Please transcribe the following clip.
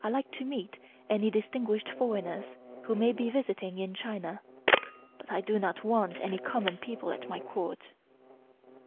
I like to meet any distinguished foreigners who may be visiting in China, but I do not want any common people at my Court."